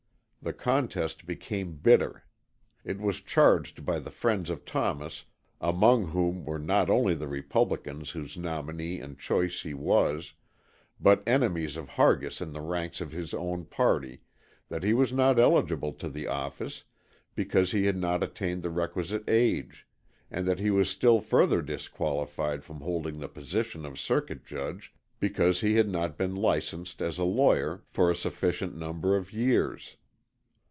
The contest became bitter. It was charged by the friends of Thomas, among whom were not only the Republicans whose nominee and choice he was, but enemies of Hargis in the ranks of his own party, that he was not eligible to the office because he had not attained the requisite age, and that he was still further disqualified from holding the position of Circuit Judge because he had not been licensed as a lawyer for a sufficient number of years.